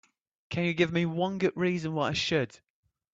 Can you give me one good reason why I should?